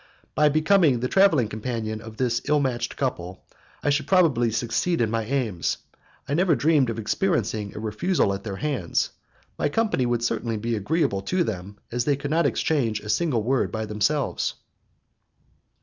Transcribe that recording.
By becoming the travelling companion of this ill matched couple, I should probably succeed in my aims. I never dreamed of experiencing a refusal at their hands, my company would certainly be agreeable to them, as they could not exchange a single word by themselves.